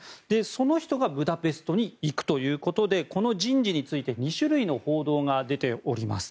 その人がブダペストに行くということでこの人事について２種類の報道が出ております。